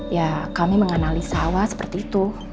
ya kami menganalisa awal seperti itu